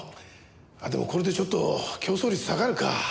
あっでもこれでちょっと競争率下がるか。